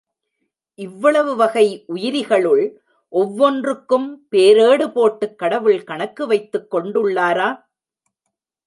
இவ்வளவு வகை உயிரிகளுள் ஒவ்வொன்றுக்கும் பேரேடு போட்டுக் கடவுள் கணக்கு வைத்துக் கொண்டுள்ளாரா?